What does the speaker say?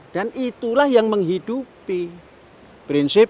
dan itulah yang menghidupi prinsip